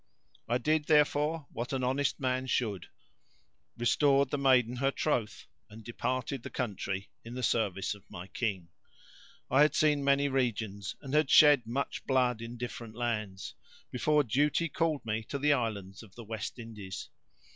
I did, therefore, what an honest man should—restored the maiden her troth, and departed the country in the service of my king. I had seen many regions, and had shed much blood in different lands, before duty called me to the islands of the West Indies.